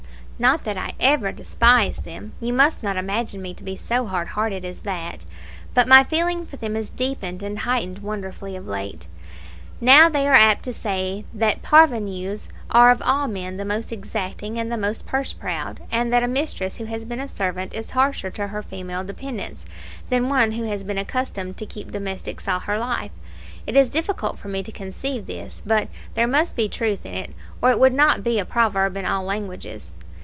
Not that I ever despised them you must not imagine me to be so hard hearted as that; but my feeling for them is deepened and heightened wonderfully of late. Now they are apt to say that PARVENUS are of all men the most exacting and the most purse proud; and that a mistress who has been a servant is harsher to her female dependants than one who has been accustomed to keep domestics all her life. It is difficult for me to conceive this; but there must be truth in it, or it would not be a proverb in all languages.